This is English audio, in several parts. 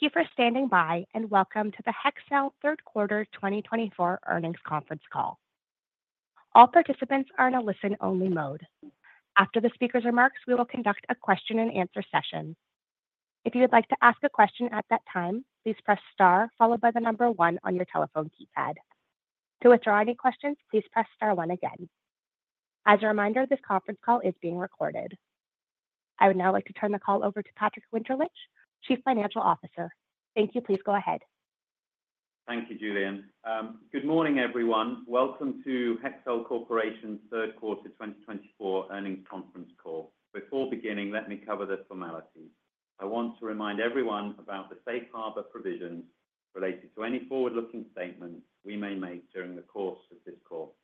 Thank you for standing by, and welcome to the Hexcel Third Quarter 2024 Earnings Conference Call. All participants are in a listen-only mode. After the speaker's remarks, we will conduct a question-and-answer session. If you would like to ask a question at that time, please press star followed by the number one on your telephone keypad. To withdraw any questions, please press star one again. As a reminder, this conference call is being recorded. I would now like to turn the call over to Patrick Winterlich, Chief Financial Officer. Thank you. Please go ahead. Thank you, Julian. Good morning, everyone. Welcome to Hexcel Corporation's Third Quarter 2024 Earnings Conference Call. Before beginning, let me cover the formalities. I want to remind everyone about the safe harbor provisions related to any forward-looking statements we may make during the course of this call.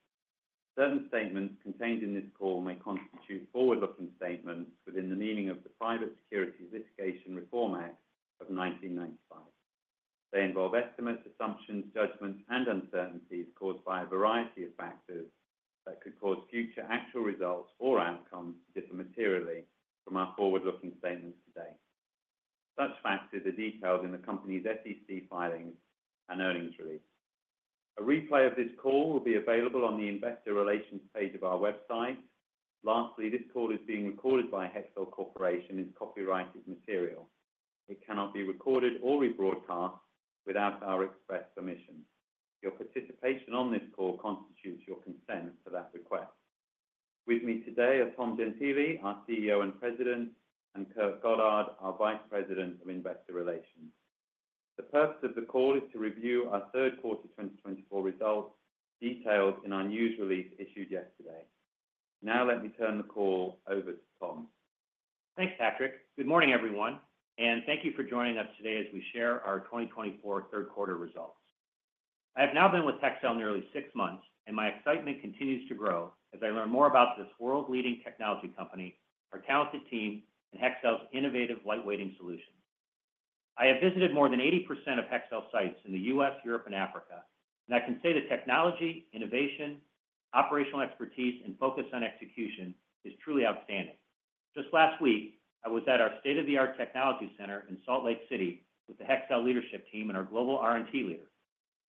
Certain statements contained in this call may constitute forward-looking statements within the meaning of the Private Securities Litigation Reform Act of 1995. They involve estimates, assumptions, judgments, and uncertainties caused by a variety of factors that could cause future actual results or outcomes to differ materially from our forward-looking statements today. Such factors are detailed in the company's SEC filings and earnings release. A replay of this call will be available on the investor relations page of our website. Lastly, this call is being recorded by Hexcel Corporation and is copyrighted material. It cannot be recorded or rebroadcast without our express permission. Your participation on this call constitutes your consent to that request. With me today are Tom Gentile, our CEO and President, and Kurt Goddard, our Vice President of Investor Relations. The purpose of the call is to review our third quarter 2024 results, detailed in our news release issued yesterday. Now let me turn the call over to Tom. Thanks, Patrick. Good morning, everyone, and thank you for joining us today as we share our 2024 third quarter results. I have now been with Hexcel nearly six months, and my excitement continues to grow as I learn more about this world-leading technology company, our talented team, and Hexcel's innovative lightweighting solutions. I have visited more than 80% of Hexcel sites in the U.S., Europe, and Africa, and I can say the technology, innovation, operational expertise, and focus on execution is truly outstanding. Just last week, I was at our state-of-the-art technology center in Salt Lake City with the Hexcel leadership team and our global R&T leaders,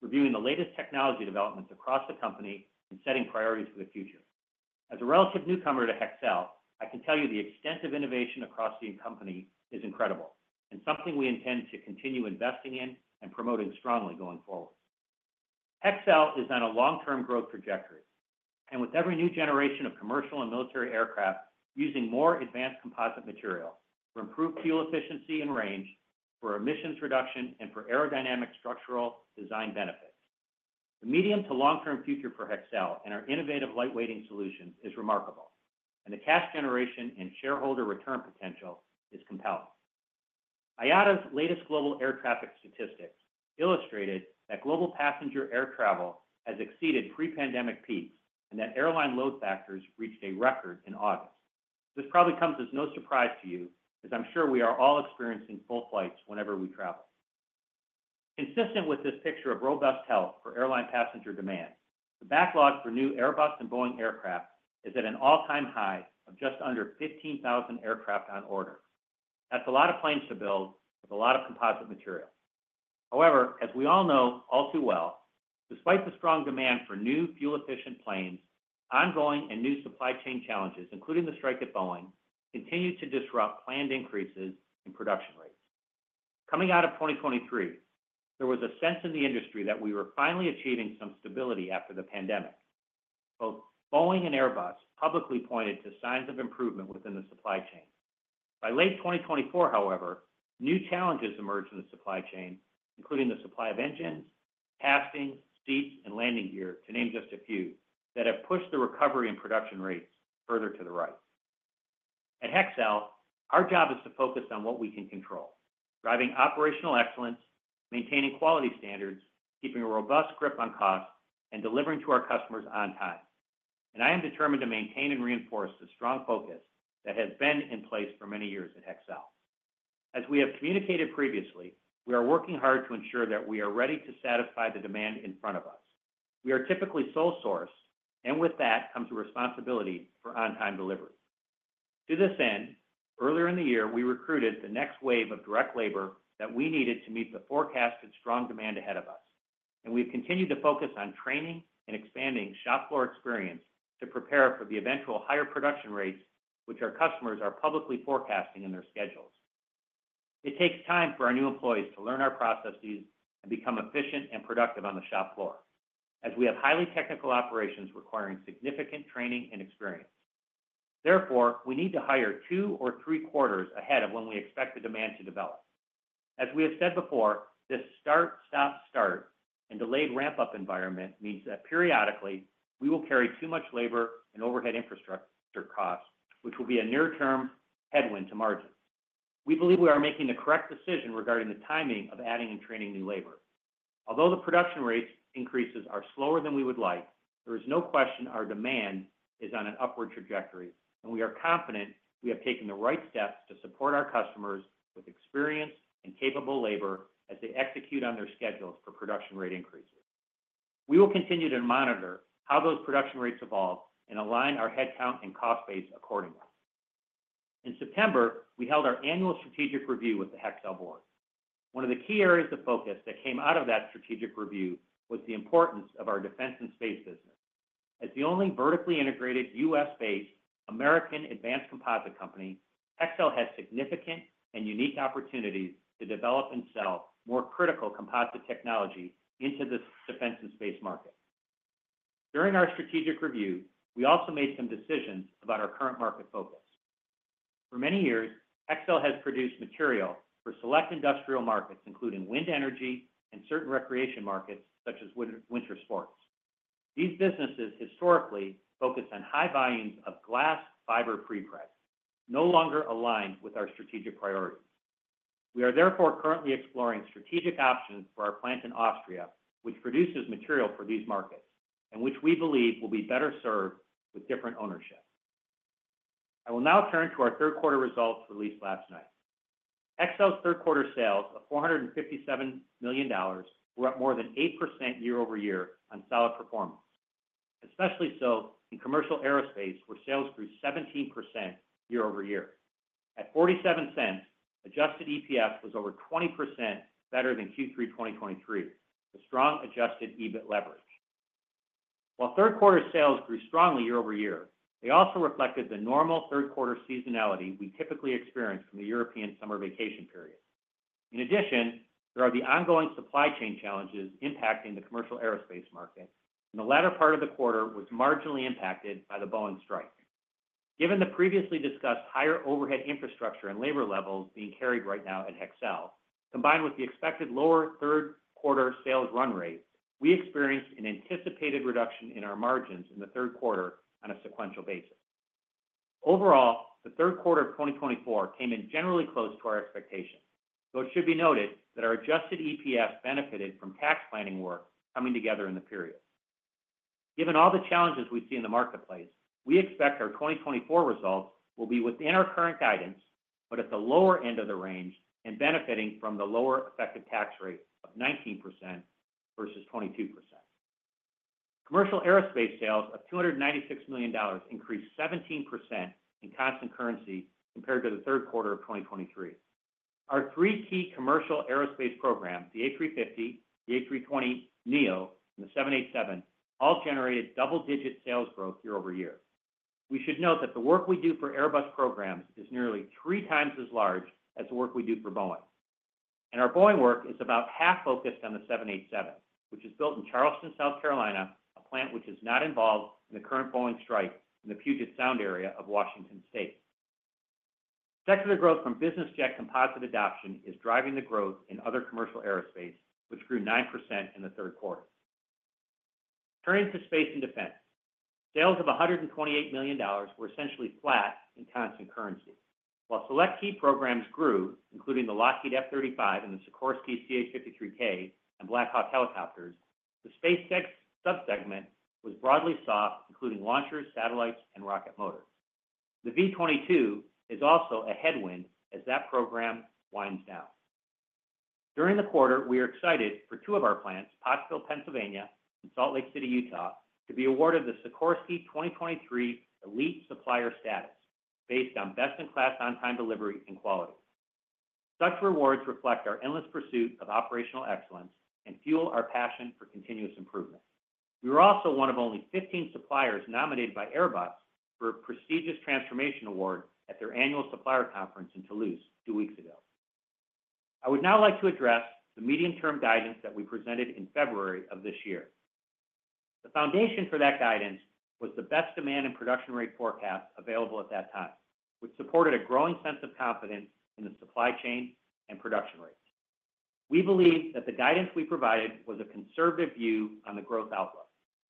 reviewing the latest technology developments across the company and setting priorities for the future. As a relative newcomer to Hexcel, I can tell you the extent of innovation across the company is incredible and something we intend to continue investing in and promoting strongly going forward. Hexcel is on a long-term growth trajectory, and with every new generation of commercial and military aircraft using more advanced composite material for improved fuel efficiency and range, for emissions reduction, and for aerodynamic structural design benefits. The medium to long-term future for Hexcel and our innovative lightweighting solutions is remarkable, and the cash generation and shareholder return potential is compelling. IATA's latest global air traffic statistics illustrated that global passenger air travel has exceeded pre-pandemic peaks and that airline load factors reached a record in August. This probably comes as no surprise to you, as I'm sure we are all experiencing full flights whenever we travel. Consistent with this picture of robust health for airline passenger demand, the backlog for new Airbus and Boeing aircraft is at an all-time high of just under 15,000 aircraft on order. That's a lot of planes to build with a lot of composite material. However, as we all know all too well, despite the strong demand for new, fuel-efficient planes, ongoing and new supply chain challenges, including the strike at Boeing, continue to disrupt planned increases in production rates. Coming out of 2023, there was a sense in the industry that we were finally achieving some stability after the pandemic. Both Boeing and Airbus publicly pointed to signs of improvement within the supply chain. By late 2024, however, new challenges emerged in the supply chain, including the supply of engines, castings, seats, and landing gear, to name just a few, that have pushed the recovery and production rates further to the right. At Hexcel, our job is to focus on what we can control, driving operational excellence, maintaining quality standards, keeping a robust grip on cost, and delivering to our customers on time. And I am determined to maintain and reinforce the strong focus that has been in place for many years at Hexcel. As we have communicated previously, we are working hard to ensure that we are ready to satisfy the demand in front of us. We are typically sole source, and with that comes a responsibility for on-time delivery. To this end, earlier in the year, we recruited the next wave of direct labor that we needed to meet the forecasted strong demand ahead of us, and we've continued to focus on training and expanding shop floor experience to prepare for the eventual higher production rates, which our customers are publicly forecasting in their schedules. It takes time for our new employees to learn our processes and become efficient and productive on the shop floor, as we have highly technical operations requiring significant training and experience. Therefore, we need to hire two or three quarters ahead of when we expect the demand to develop. As we have said before, this start, stop, start, and delayed ramp-up environment means that periodically we will carry too much labor and overhead infrastructure costs, which will be a near-term headwind to margins. We believe we are making the correct decision regarding the timing of adding and training new labor. Although the production rate increases are slower than we would like, there is no question our demand is on an upward trajectory, and we are confident we have taken the right steps to support our customers with experienced and capable labor as they execute on their schedules for production rate increases. We will continue to monitor how those production rates evolve and align our headcount and cost base accordingly. In September, we held our annual strategic review with the Hexcel board. One of the key areas of focus that came out of that strategic review was the importance of our defense and space business. As the only vertically integrated U.S.-based American advanced composite company, Hexcel has significant and unique opportunities to develop and sell more critical composite technology into the defense and space market. During our strategic review, we also made some decisions about our current market focus. For many years, Hexcel has produced material for select industrial markets, including wind energy and certain recreation markets, such as winter sports. These businesses historically focus on high volumes of glass fiber prepreg, no longer aligned with our strategic priorities. We are therefore currently exploring strategic options for our plant in Austria, which produces material for these markets, and which we believe will be better served with different ownership. I will now turn to our third quarter results released last night. Hexcel's third quarter sales of $457 million were up more than 8% year over year on solid performance, especially so in commercial aerospace, where sales grew 17% year over year. At $0.47, adjusted EPS was over 20% better than Q3 2023, a strong adjusted EBIT leverage. While third quarter sales grew strongly year over year, they also reflected the normal third quarter seasonality we typically experience from the European summer vacation period. In addition, there are the ongoing supply chain challenges impacting the commercial aerospace market, and the latter part of the quarter was marginally impacted by the Boeing strike. Given the previously discussed higher overhead infrastructure and labor levels being carried right now at Hexcel, combined with the expected lower third quarter sales run rate, we experienced an anticipated reduction in our margins in the third quarter on a sequential basis. Overall, the third quarter of 2024 came in generally close to our expectations, though it should be noted that our adjusted EPS benefited from tax planning work coming together in the period. Given all the challenges we see in the marketplace, we expect our 2024 results will be within our current guidance, but at the lower end of the range and benefiting from the lower effective tax rate of 19% versus 22%. Commercial aerospace sales of $296 million increased 17% in constant currency compared to the third quarter of 2023. Our three key commercial aerospace programs, the A350, the A320neo, and the 787, all generated double-digit sales growth year over year. We should note that the work we do for Airbus programs is nearly three times as large as the work we do for Boeing. Our Boeing work is about half focused on the 787, which is built in Charleston, South Carolina, a plant which is not involved in the current Boeing strike in the Puget Sound area of Washington State. Secondary growth from business jet composite adoption is driving the growth in other commercial aerospace, which grew 9% in the third quarter. Turning to space and defense. Sales of $128 million were essentially flat in constant currency. While select key programs grew, including the Lockheed F-35 and the Sikorsky CH-53K and Black Hawk helicopters, the SpaceX subsegment was broadly soft, including launchers, satellites, and rocket motors. The V-22 is also a headwind as that program winds down. During the quarter, we are excited for two of our plants, Pottsville, Pennsylvania, and Salt Lake City, Utah, to be awarded the Sikorsky 2023 Elite Supplier status based on best-in-class on-time delivery and quality. Such rewards reflect our endless pursuit of operational excellence and fuel our passion for continuous improvement. We were also one of only 15 suppliers nominated by Airbus for a prestigious transformation award at their annual supplier conference in Toulouse two weeks ago. I would now like to address the medium-term guidance that we presented in February of this year. The foundation for that guidance was the best demand and production rate forecast available at that time, which supported a growing sense of confidence in the supply chain and production rates. We believe that the guidance we provided was a conservative view on the growth outlook.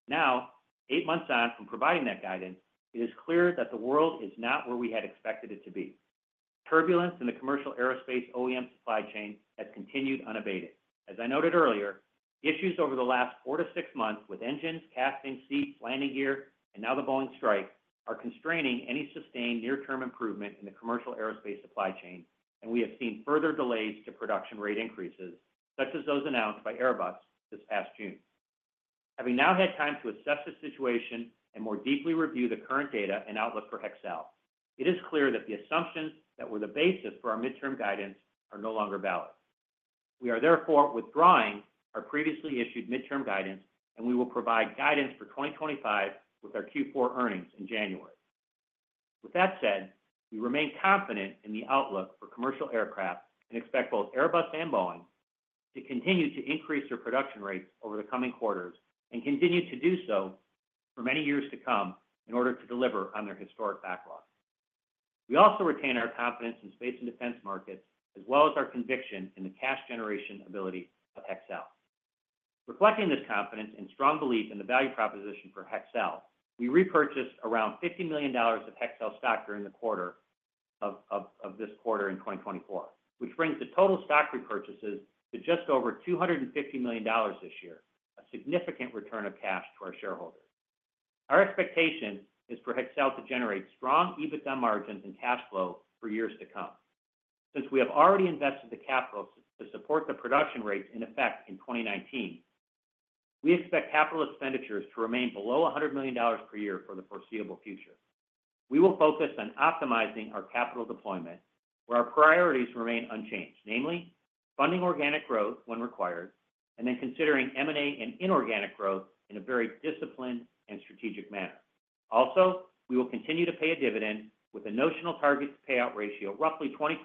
Now, eight months on from providing that guidance, it is clear that the world is not where we had expected it to be. Turbulence in the commercial aerospace OEM supply chain has continued unabated. As I noted earlier, issues over the last four to six months with engines, castings, seats, landing gear, and now the Boeing strike, are constraining any sustained near-term improvement in the commercial aerospace supply chain, and we have seen further delays to production rate increases, such as those announced by Airbus this past June. Having now had time to assess the situation and more deeply review the current data and outlook for Hexcel, it is clear that the assumptions that were the basis for our midterm guidance are no longer valid. We are therefore withdrawing our previously issued midterm guidance, and we will provide guidance for 2025 with our Q4 earnings in January. With that said, we remain confident in the outlook for commercial aircraft and expect both Airbus and Boeing to continue to increase their production rates over the coming quarters and continue to do so for many years to come in order to deliver on their historic backlog. We also retain our confidence in space and defense markets, as well as our conviction in the cash generation ability of Hexcel. Reflecting this confidence and strong belief in the value proposition for Hexcel, we repurchased around $50 million of Hexcel stock during the third of this quarter in 2024, which brings the total stock repurchases to just over $250 million this year, a significant return of cash to our shareholders. Our expectation is for Hexcel to generate strong EBITDA margins and cash flow for years to come. Since we have already invested the capital to support the production rates in effect in 2019, we expect capital expenditures to remain below $100 million per year for the foreseeable future. We will focus on optimizing our capital deployment, where our priorities remain unchanged, namely, funding organic growth when required, and then considering M&A and inorganic growth in a very disciplined and strategic manner. Also, we will continue to pay a dividend with a notional target payout ratio, roughly 20%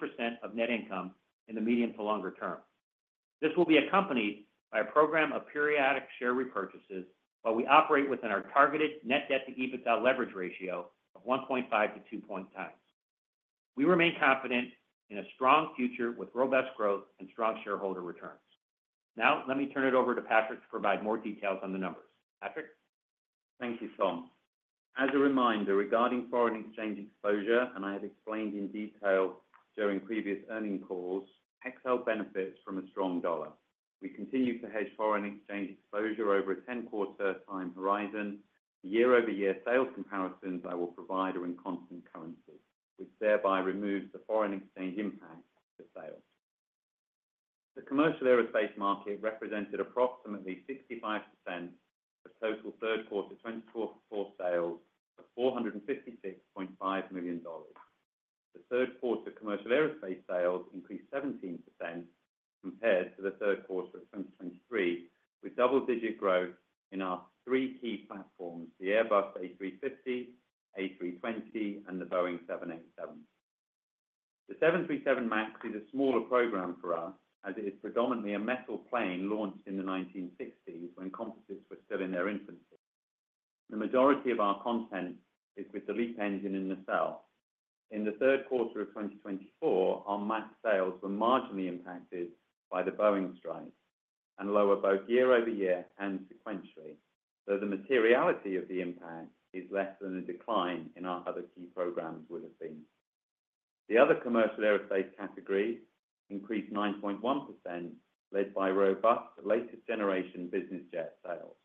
of net income in the medium to longer term. This will be accompanied by a program of periodic share repurchases, while we operate within our targeted net debt to EBITDA leverage ratio of 1.5 to 2 times. We remain confident in a strong future with robust growth and strong shareholder returns. Now, let me turn it over to Patrick to provide more details on the numbers. Patrick? Thank you, Tom. As a reminder, regarding foreign exchange exposure, and I have explained in detail during previous earnings calls, Hexcel benefits from a strong dollar. We continue to hedge foreign exchange exposure over a 10-quarter time horizon. Year-over-year sales comparisons I will provide are in constant currency, which thereby removes the foreign exchange impact to sales. The commercial aerospace market represented approximately 65% of total third quarter 2024 sales of $456.5 million. The third quarter commercial aerospace sales increased 17% compared to the third quarter of 2023, with double-digit growth in our three key platforms, the Airbus A350, A320, and the Boeing 787. The 737 MAX is a smaller program for us, as it is predominantly a metal plane launched in the 1960s when composites were still in their infancy. The majority of our content is with the LEAP engine in nacelle. In the third quarter of 2024, our MAX sales were marginally impacted by the Boeing strike and lower both year over year and sequentially, though the materiality of the impact is less than a decline in our other key programs would have been. The other commercial aerospace category increased 9.1%, led by robust latest generation business jet sales.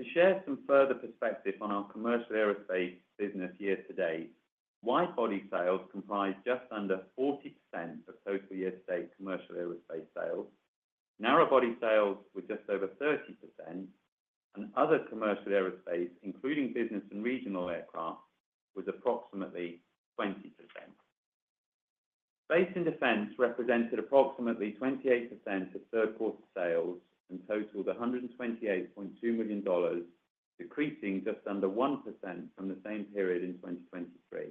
To share some further perspective on our commercial aerospace business year-to-date, wide-body sales comprised just under 40% of total year-to-date commercial aerospace sales. Narrow-body sales were just over 30%, and other commercial aerospace, including business and regional aircraft, was approximately 20%. Space and defense represented approximately 28% of third quarter sales and totaled $128.2 million, decreasing just under 1% from the same period in 2023.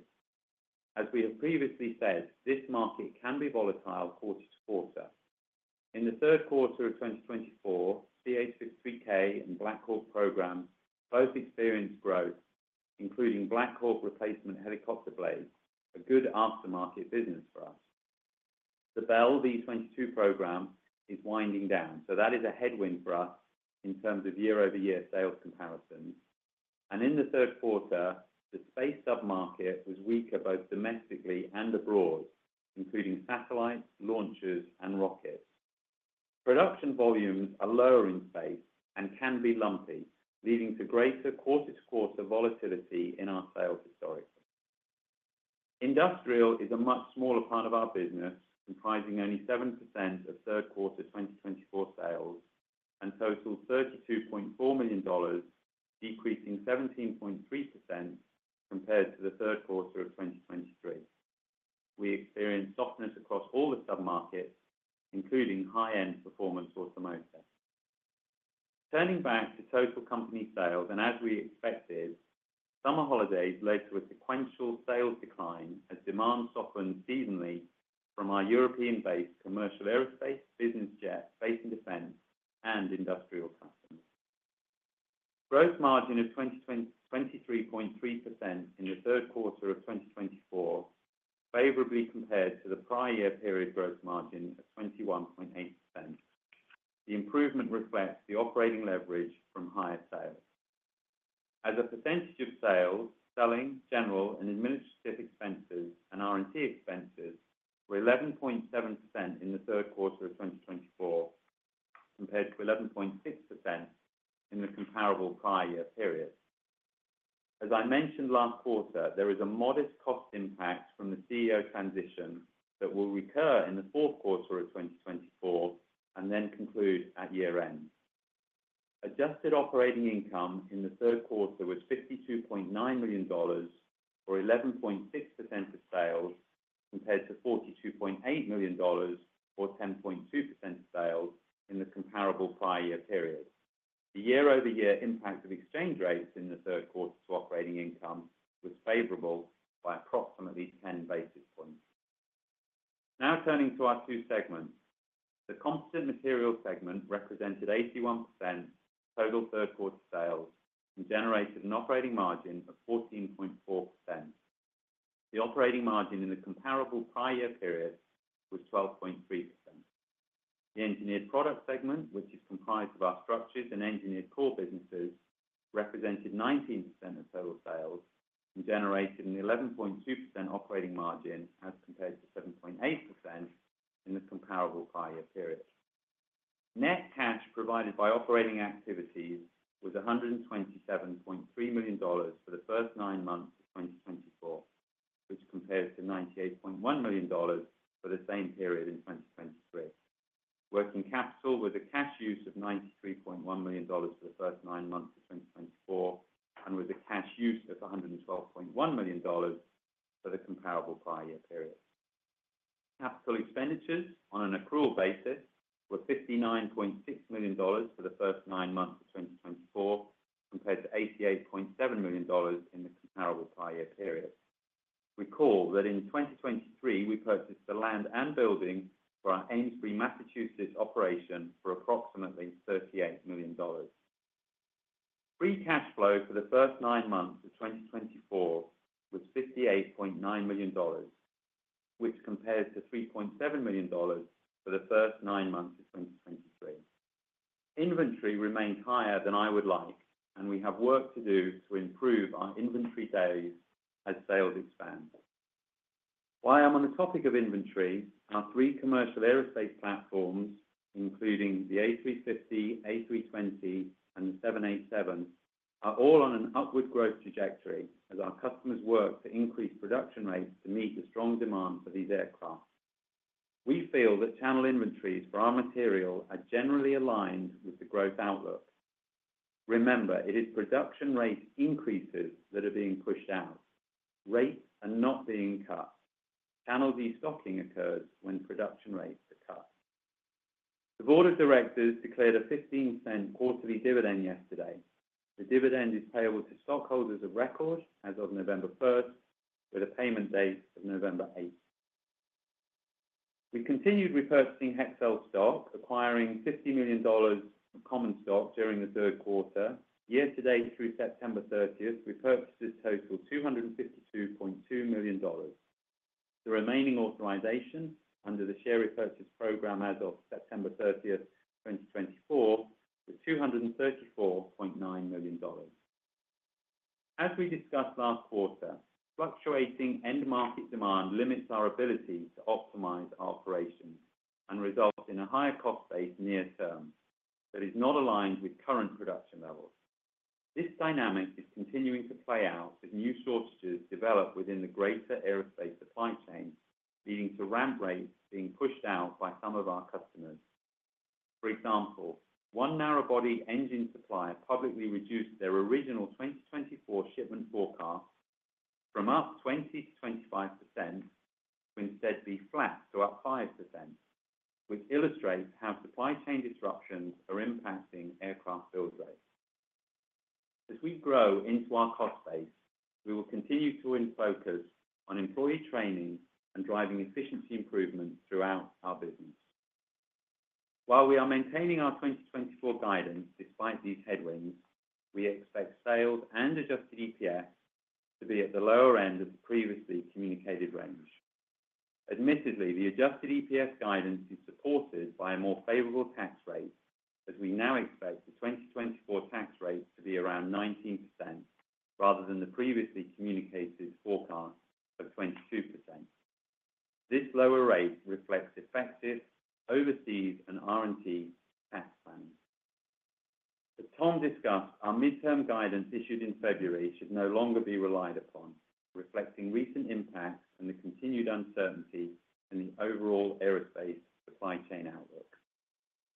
As we have previously said, this market can be volatile quarter to quarter. In the third quarter of 2024, CH-53K and Black Hawk programs both experienced growth, including Black Hawk replacement helicopter blades, a good aftermarket business for us. The Bell V-22 program is winding down, so that is a headwind for us in terms of year-over-year sales comparisons, and in the third quarter, the space sub-market was weaker, both domestically and abroad, including satellites, launchers, and rockets. Production volumes are lower in space and can be lumpy, leading to greater quarter to quarter volatility in our sales historically. Industrial is a much smaller part of our business, comprising only 7% of third quarter 2024 sales and total $32.4 million, decreasing 17.3% compared to the third quarter of 2023. We experienced softness across all the submarkets, including high-end performance automotive. Turning back to total company sales, and as we expected, summer holidays led to a sequential sales decline as demand softened seasonally from our European-based commercial aerospace, business jet, space and defense, and industrial customers. Gross margin of 23.3% in the third quarter of 2024 favorably compared to the prior year period gross margin of 21.8%. The improvement reflects the operating leverage from higher sales. As a percentage of sales, selling, general and administrative expenses and R&D expenses were 11.7% in the third quarter of 2024, compared to 11.6% in the comparable prior year period. As I mentioned last quarter, there is a modest cost impact from the CEO transition that will recur in the fourth quarter of 2024 and then conclude at year-end. Adjusted operating income in the third quarter was $52.9 million, or 11.6% of sales, compared to $42.8 million, or 10.2% of sales, in the comparable prior year period. The year-over-year impact of exchange rates in the third quarter to operating income was favorable by approximately ten basis points. Now turning to our two segments. The composite material segment represented 81% total third quarter sales and generated an operating margin of 14.4%. The operating margin in the comparable prior year period was 12.3%. The engineered product segment, which is comprised of our structures and engineered core businesses, represented 19% of total sales and generated an 11.2% operating margin as compared to 7.8% in the comparable prior year period. Net cash provided by operating activities was $127.3 million for the first nine months of 2024, which compares to $98.1 million for the same period in 2023. Working capital with a cash use of $93.1 million for the first nine months of 2024, and with a cash use of $112.1 million for the comparable prior year period. Capital expenditures on an accrual basis were $59.6 million for the first nine months of 2024, compared to $88.7 million in the comparable prior year period. Recall that in 2023, we purchased the land and building for our Amesbury, Massachusetts operation for approximately $38 million. Free cash flow for the first nine months of 2024 was $58.9 million, which compares to $3.7 million for the first nine months of 2023. Inventory remains higher than I would like, and we have work to do to improve our inventory days as sales expand. While I'm on the topic of inventory, our three commercial aerospace platforms, including the A350, A320, and the 787, are all on an upward growth trajectory as our customers work to increase production rates to meet the strong demand for these aircraft. We feel that channel inventories for our material are generally aligned with the growth outlook. Remember, it is production rate increases that are being pushed out. Rates are not being cut. Channel destocking occurs when production rates are cut. The board of directors declared a $0.15 quarterly dividend yesterday. The dividend is payable to stockholders of record as of November first, with a payment date of November eighth. We continued repurchasing Hexcel stock, acquiring $50 million of common stock during the third quarter. Year to date through September thirtieth, repurchases total $252.2 million. The remaining authorization under the share repurchase program as of September thirtieth, 2024, was $234.9 million. As we discussed last quarter, fluctuating end market demand limits our ability to optimize our operations and results in a higher cost base near term that is not aligned with current production levels. This dynamic is continuing to play out as new shortages develop within the greater aerospace supply chain, leading to ramp rates being pushed out by some of our customers. For example, one narrow body engine supplier publicly reduced their original 2024 shipment forecast from up 20%-25% to instead be flat to up 5%, which illustrates how supply chain disruptions are impacting aircraft build rates. As we grow into our cost base, we will continue to focus on employee training and driving efficiency improvements throughout our business. While we are maintaining our 2024 guidance despite these headwinds, we expect sales and Adjusted EPS to be at the lower end of the previously communicated range. Admittedly, the Adjusted EPS guidance is supported by a more favorable tax rate, as we now expect the 2024 tax rate to be around 19%, rather than the previously communicated forecast of 22%. This lower rate reflects effective overseas and R&D tax plans. As Tom discussed, our midterm guidance issued in February should no longer be relied upon, reflecting recent impacts and the continued uncertainty in the overall aerospace supply chain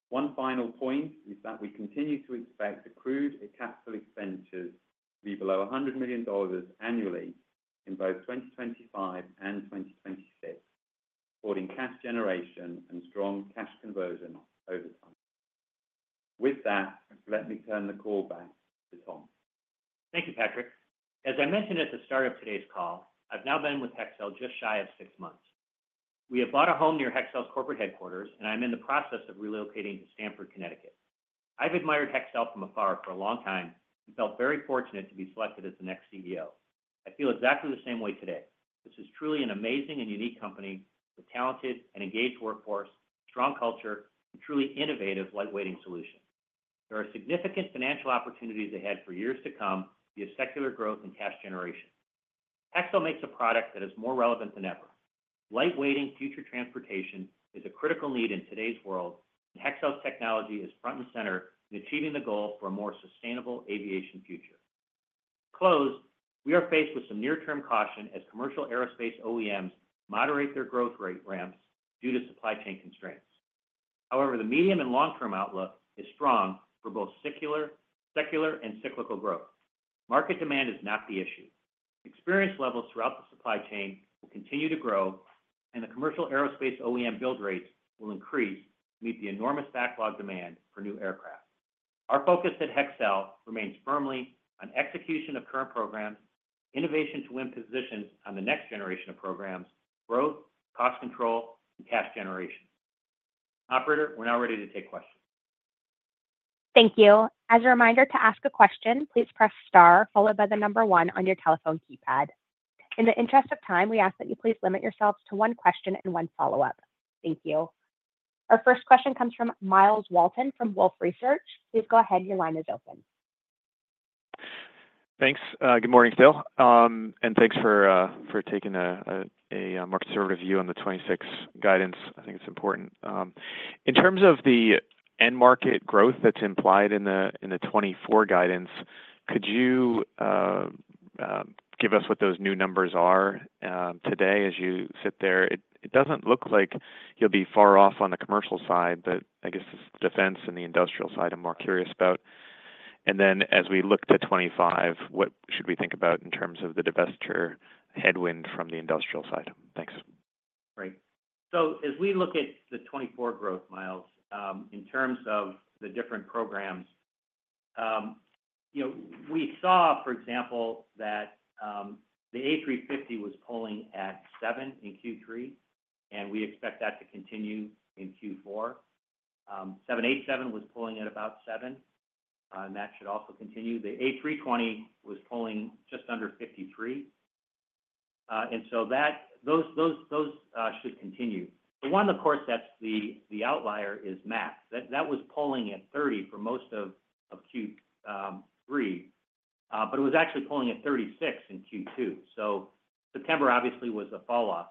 outlook. One final point is that we continue to expect accrued capital expenditures to be below $100 million annually in both 2025 and 2026, supporting cash generation and strong cash conversion over time. With that, let me turn the call back to Tom. Thank you, Patrick. As I mentioned at the start of today's call, I've now been with Hexcel just shy of six months. We have bought a home near Hexcel's corporate headquarters, and I'm in the process of relocating to Stamford, Connecticut. I've admired Hexcel from afar for a long time and felt very fortunate to be selected as the next CEO. I feel exactly the same way today. This is truly an amazing and unique company with talented and engaged workforce, strong culture, and truly innovative lightweighting solutions. There are significant financial opportunities ahead for years to come via secular growth and cash generation. Hexcel makes a product that is more relevant than ever. Lightweighting future transportation is a critical need in today's world, and Hexcel's technology is front and center in achieving the goal for a more sustainable aviation future. closing, we are faced with some near-term caution as commercial aerospace OEMs moderate their growth rate ramps due to supply chain constraints. However, the medium and long-term outlook is strong for both secular and cyclical growth. Market demand is not the issue. Experience levels throughout the supply chain will continue to grow, and the commercial aerospace OEM build rates will increase to meet the enormous backlog demand for new aircraft. Our focus at Hexcel remains firmly on execution of current programs, innovation to win positions on the next generation of programs, growth, cost control, and cash generation. Operator, we're now ready to take questions. Thank you. As a reminder to ask a question, please press star followed by the number one on your telephone keypad. In the interest of time, we ask that you please limit yourselves to one question and one follow-up. Thank you. Our first question comes from Myles Walton from Wolfe Research. Please go ahead. Your line is open Thanks. Good morning, Phil. And thanks for taking a more conservative view on the 2026 guidance. I think it's important. In terms of the end market growth that's implied in the 2024 guidance, could you give us what those new numbers are today as you sit there? It doesn't look like you'll be far off on the commercial side, but I guess it's defense and the industrial side I'm more curious about. And then, as we look to 2025, what should we think about in terms of the divestiture headwind from the industrial side? Thanks. Great. So as we look at the 2024 growth, Myles, in terms of the different programs, you know, we saw, for example, that the A350 was pulling at seven in Q3, and we expect that to continue in Q4. 787 was pulling at about seven, and that should also continue. The A320 was pulling just under 53, and so those should continue. The one, of course, that's the outlier is MAX. That was pulling at 30 for most of Q3, but it was actually pulling at 36 in Q2. So September obviously was a falloff.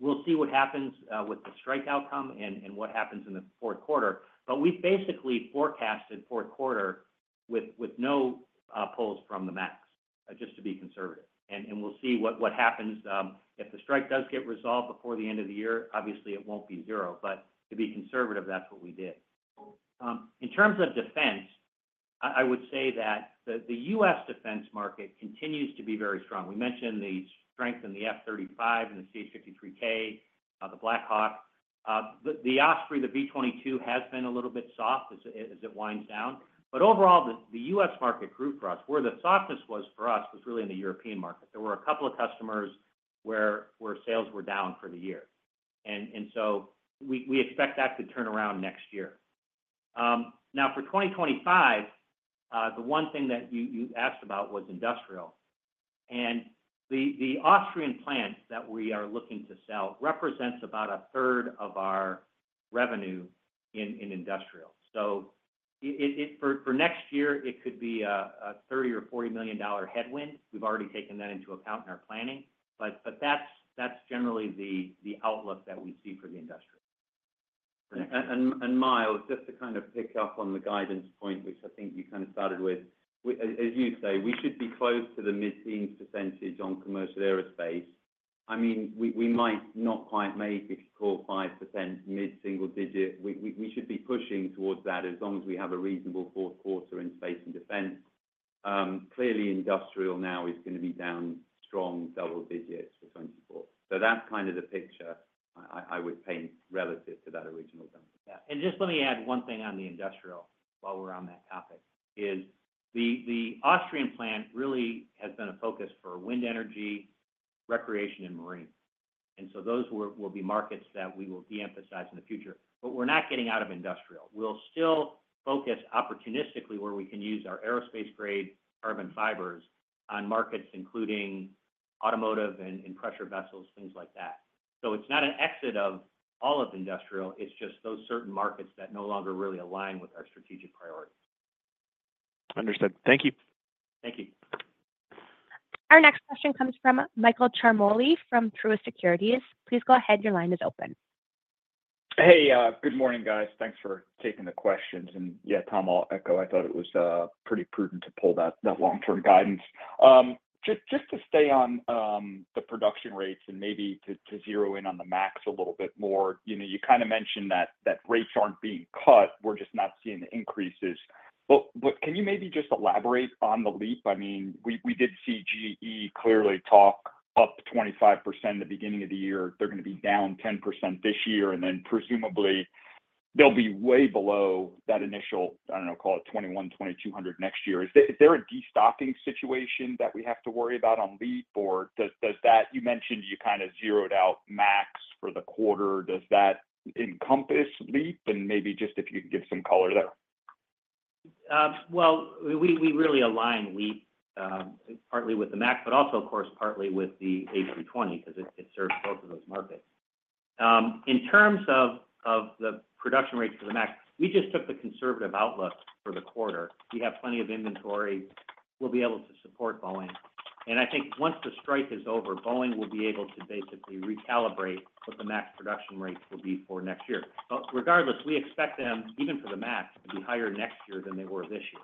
We'll see what happens with the strike outcome and what happens in the fourth quarter, but we've basically forecasted fourth quarter with no pulls from the MAX, just to be conservative. And we'll see what happens. If the strike does get resolved before the end of the year, obviously, it won't be zero, but to be conservative, that's what we did. In terms of defense, I would say that the U.S. defense market continues to be very strong. We mentioned the strength in the F-35 and the CH-53K, the Black Hawk. The Osprey, the V-22, has been a little bit soft as it winds down. But overall, the U.S. market grew for us. Where the softness was for us was really in the European market. There were a couple of customers where sales were down for the year. And so we expect that to turn around next year. Now, for 2025, the one thing that you asked about was industrial. The Austrian plant that we are looking to sell represents about a third of our revenue in industrial. So, for next year, it could be a $30-$40 million headwind. We've already taken that into account in our planning, but that's generally the outlook that we see for the industrial. And Myles, just to kind of pick up on the guidance point, which I think you kind of started with, as you say, we should be close to the mid-teens % on commercial aerospace. I mean, we might not quite make it 4 or 5%, mid-single digit. We should be pushing towards that as long as we have a reasonable fourth quarter in space and defense. Clearly, industrial now is gonna be down strong double digits for 2024. So that's kind of the picture I would paint relative to that original number. Yeah. And just let me add one thing on the industrial while we're on that topic, is the Austrian plant really has been a focus for wind energy, recreation, and marine, and so those will be markets that we will de-emphasize in the future. But we're not getting out of industrial. We'll still focus opportunistically where we can use our aerospace-grade carbon fibers on markets, including automotive and pressure vessels, things like that. So it's not an exit of all of industrial, it's just those certain markets that no longer really align with our strategic priorities. Understood. Thank you. Thank you. Our next question comes from Michael Ciarmoli from Truist Securities. Please go ahead. Your line is open. Hey, good morning, guys. Thanks for taking the questions. Yeah, Tom, I'll echo. I thought it was pretty prudent to pull that long-term guidance. Just to stay on the production rates and maybe to zero in on the MAX a little bit more, you know, you kind of mentioned that rates aren't being cut, we're just not seeing the increases, but can you maybe just elaborate on the LEAP? I mean, we did see GE clearly talk up 25% the beginning of the year. They're gonna be down 10% this year, and then presumably, they'll be way below that initial, I don't know, call it 21, 2,200 next year. Is there a destocking situation that we have to worry about on LEAP, or does that... You mentioned you kind of zeroed out MAX for the quarter. Does that encompass LEAP? And maybe just if you could give some color there. We really align LEAP, partly with the MAX, but also, of course, partly with the A320, 'cause it serves both of those markets. In terms of the production rates for the MAX, we just took the conservative outlook for the quarter. We have plenty of inventory. We'll be able to support Boeing. And I think once the strike is over, Boeing will be able to basically recalibrate what the MAX production rates will be for next year. But regardless, we expect them, even for the MAX, to be higher next year than they were this year.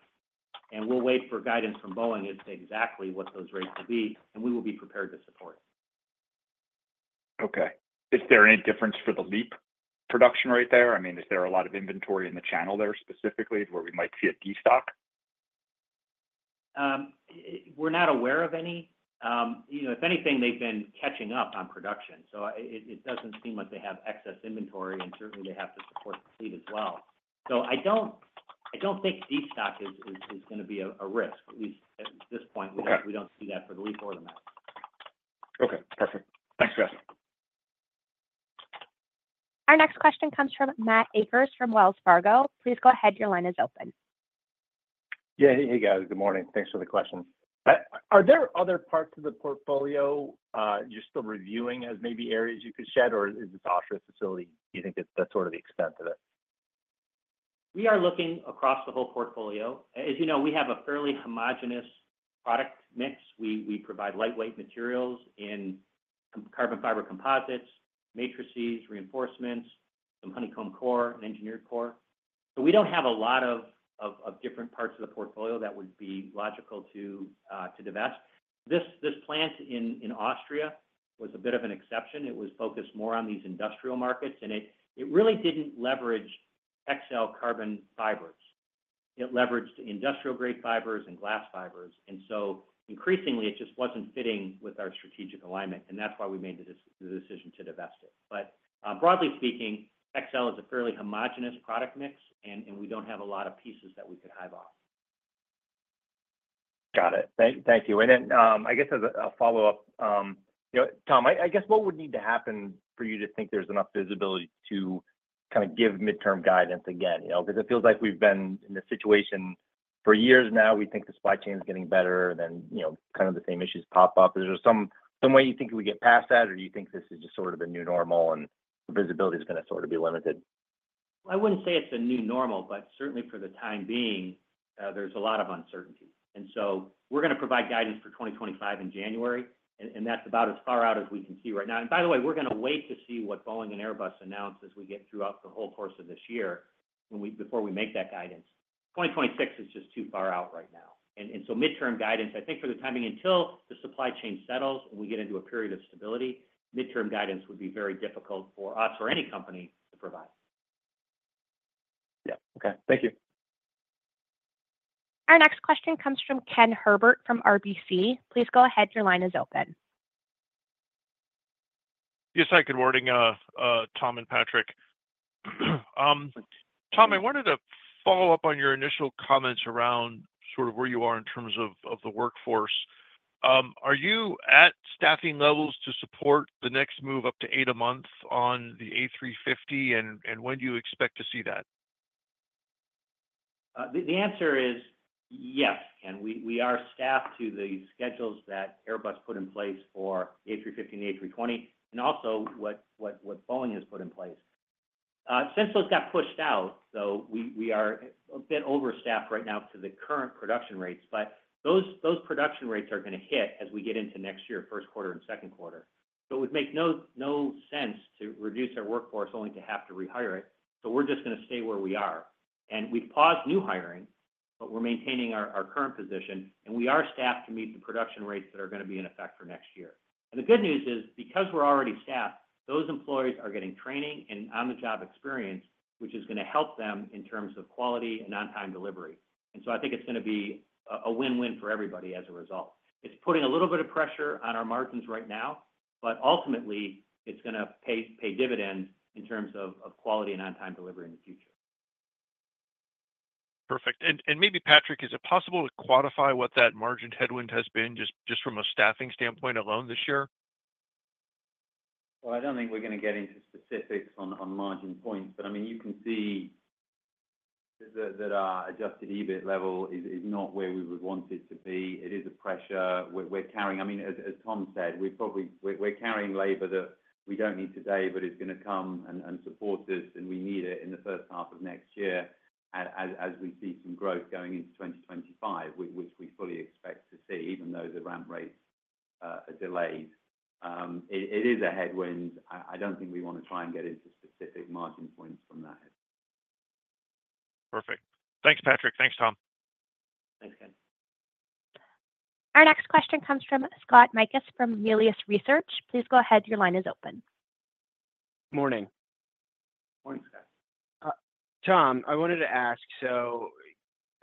And we'll wait for guidance from Boeing as to exactly what those rates will be, and we will be prepared to support. Okay. Is there any difference for the LEAP production right there? I mean, is there a lot of inventory in the channel there, specifically, where we might see a destock? We're not aware of any. You know, if anything, they've been catching up on production, so it doesn't seem like they have excess inventory, and certainly, they have to support the fleet as well. I don't think destocking is gonna be a risk, at least at this point. Okay. We don't see that for the LEAP or the MAX. Okay, perfect. Thanks, guys. Our next question comes from Matt Akers from Wells Fargo. Please go ahead. Your line is open. Yeah. Hey, guys. Good morning. Thanks for the questions. Are there other parts of the portfolio, you're still reviewing as maybe areas you could shed, or is this Austria facility, you think that's sort of the extent of it? We are looking across the whole portfolio. As you know, we have a fairly homogeneous product mix. We provide lightweight materials in carbon fiber composites, matrices, reinforcements, some honeycomb core, and engineered core. So we don't have a lot of different parts of the portfolio that would be logical to divest. This plant in Austria was a bit of an exception. It was focused more on these industrial markets, and it really didn't leverage Hexcel carbon fibers. It leveraged industrial-grade fibers and glass fibers, and so increasingly, it just wasn't fitting with our strategic alignment, and that's why we made the decision to divest it. But broadly speaking, Hexcel is a fairly homogeneous product mix, and we don't have a lot of pieces that we could hive off. Got it. Thank you. And then, I guess as a follow-up, you know, Tom, I guess, what would need to happen for you to think there's enough visibility to kinda give midterm guidance again, you know? Because it feels like we've been in this situation for years now. We think the supply chain is getting better, then, you know, kind of the same issues pop up. Is there some way you think we get past that, or do you think this is just sort of the new normal and visibility is gonna sort of be limited? I wouldn't say it's a new normal, but certainly for the time being, there's a lot of uncertainty. And so we're gonna provide guidance for 2025 in January, and that's about as far out as we can see right now. And by the way, we're gonna wait to see what Boeing and Airbus announce as we get throughout the whole course of this year before we make that guidance. 2026 is just too far out right now. And so midterm guidance, I think for the timing, until the supply chain settles and we get into a period of stability, midterm guidance would be very difficult for us or any company to provide. Yeah. Okay. Thank you. Our next question comes from Ken Herbert from RBC. Please go ahead. Your line is open. Yes, hi, good morning, Tom and Patrick. Tom, I wanted to follow up on your initial comments around sort of where you are in terms of the workforce. Are you at staffing levels to support the next move up to eight a month on the A350, and when do you expect to see that? The answer is yes, Ken. We are staffed to the schedules that Airbus put in place for A350 and A320, and also what Boeing has put in place. Since those got pushed out, so we are a bit overstaffed right now to the current production rates, but those production rates are gonna hit as we get into next year, first quarter and second quarter. So it would make no sense to reduce our workforce only to have to rehire it. So we're just gonna stay where we are, and we've paused new hiring, but we're maintaining our current position, and we are staffed to meet the production rates that are gonna be in effect for next year. The good news is, because we're already staffed, those employees are getting training and on-the-job experience, which is gonna help them in terms of quality and on-time delivery. So I think it's gonna be a win-win for everybody as a result. It's putting a little bit of pressure on our margins right now, but ultimately, it's gonna pay dividends in terms of quality and on-time delivery in the future. Perfect. And maybe Patrick, is it possible to quantify what that margin headwind has been, just from a staffing standpoint alone this year? I don't think we're gonna get into specifics on margin points, but I mean, you can see that our Adjusted EBIT level is not where we would want it to be. It is a pressure we're carrying. I mean, as Tom said, we're probably carrying labor that we don't need today, but it's gonna come and support us, and we need it in the first half of next year as we see some growth going into 2025, which we fully expect to see, even though the ramp rates are delayed. It is a headwind. I don't think we want to try and get into specific margin points from that. Perfect. Thanks, Patrick. Thanks, Tom. Thanks, Ken. Our next question comes from Scott Mikus from Melius Research. Please go ahead. Your line is open. Morning. Morning, Scott. Tom, I wanted to ask,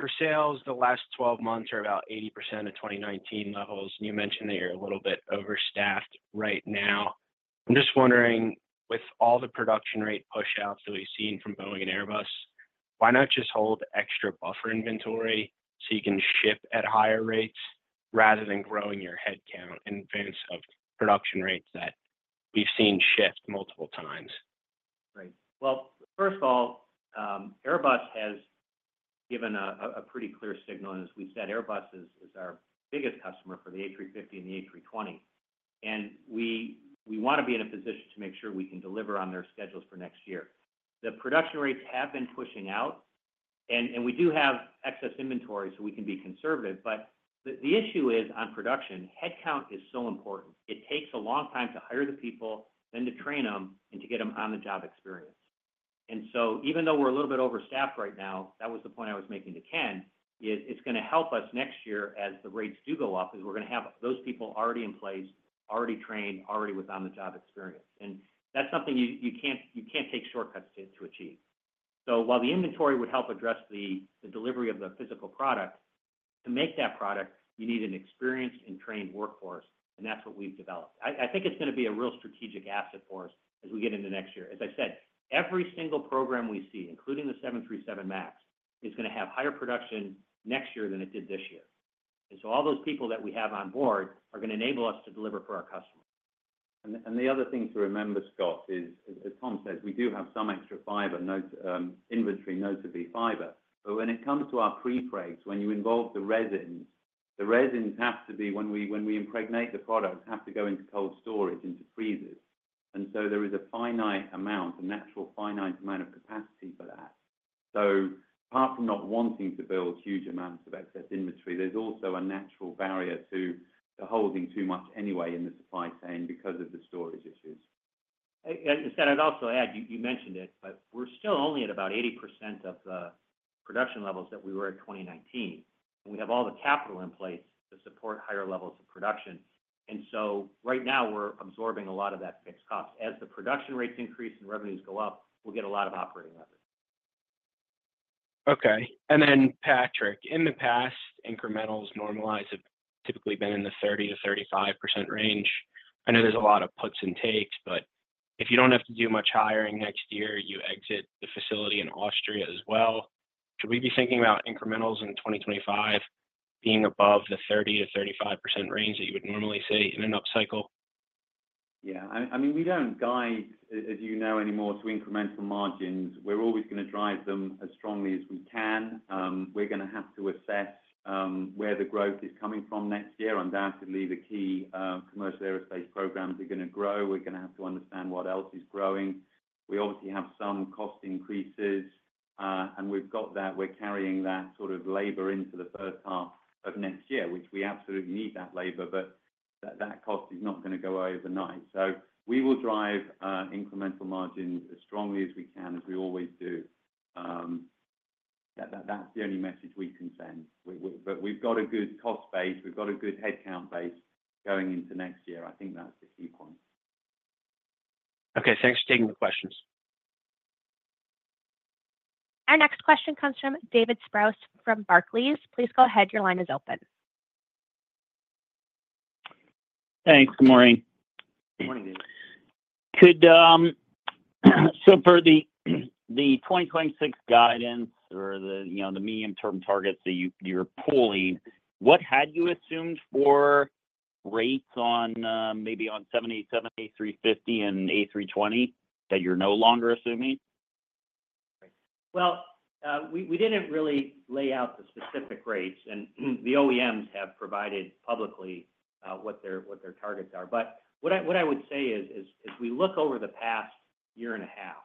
so your sales the last 12 months are about 80% of 2019 levels, and you mentioned that you're a little bit overstaffed right now. I'm just wondering, with all the production rate pushouts that we've seen from Boeing and Airbus, why not just hold extra buffer inventory so you can ship at higher rates rather than growing your headcount in advance of production rates that we've seen shift multiple times? Right. Well, first of all, Airbus has given a pretty clear signal, and as we've said, Airbus is our biggest customer for the A350 and the A320. And we wanna be in a position to make sure we can deliver on their schedules for next year. The production rates have been pushing out, and we do have excess inventory, so we can be conservative, but the issue is, on production, headcount is so important. It takes a long time to hire the people, then to train them, and to get them on-the-job experience, and so even though we're a little bit overstaffed right now, that was the point I was making to Ken, it's gonna help us next year as the rates do go up, because we're gonna have those people already in place, already trained, already with on-the-job experience, and that's something you can't take shortcuts to achieve, so while the inventory would help address the delivery of the physical product, to make that product, you need an experienced and trained workforce, and that's what we've developed. I think it's gonna be a real strategic asset for us as we get into next year. As I said, every single program we see, including the 737 MAX, is gonna have higher production next year than it did this year. And so all those people that we have on board are gonna enable us to deliver for our customers. And the other thing to remember, Scott, is as Tom said, we do have some extra fiber inventory, notably fiber. But when it comes to our prepregs, when you involve the resins, the resins have to be when we impregnate the products have to go into cold storage, into freezers. And so there is a finite amount, a natural finite amount of capacity for that. So apart from not wanting to build huge amounts of excess inventory, there's also a natural barrier to holding too much anyway in the supply chain because of the storage issues. And instead, I'd also add, you mentioned it, but we're still only at about 80% of the production levels that we were at 2019, and we have all the capital in place to support higher levels of production. And so right now, we're absorbing a lot of that fixed cost. As the production rates increase and revenues go up, we'll get a lot of operating leverage. Okay. Then, Patrick, in the past, incrementals normalized have typically been in the 30%-35% range. I know there's a lot of puts and takes, but if you don't have to do much hiring next year, you exit the facility in Austria as well. Should we be thinking about incrementals in 2025 being above the 30%-35% range that you would normally see in an upcycle? Yeah. I mean, we don't guide, as you know, anymore, to incremental margins. We're always going to drive them as strongly as we can. We're gonna have to assess where the growth is coming from next year. Undoubtedly, the key commercial aerospace programs are gonna grow. We're gonna have to understand what else is growing. We obviously have some cost increases, and we've got that. We're carrying that sort of labor into the first half of next year, which we absolutely need that labor, but that cost is not gonna go away overnight. So we will drive incremental margins as strongly as we can, as we always do. That's the only message we can send. But we've got a good cost base, we've got a good headcount base going into next year. I think that's the key point. Okay, thanks for taking the questions. Our next question comes from David Strauss from Barclays. Please go ahead. Your line is open. Thanks. Good morning. Good morning. Could, so for the 2026 guidance or, you know, the medium-term targets that you're pulling, what had you assumed for rates on maybe 777, A350, and A320 that you're no longer assuming? We didn't really lay out the specific rates, and the OEMs have provided publicly what their targets are. But what I would say is, as we look over the past year and a half,